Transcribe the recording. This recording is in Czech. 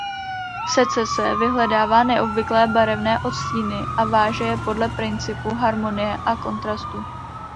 Secese vyhledává neobvyklé barevné odstíny a váže je podle principu harmonie a kontrastu.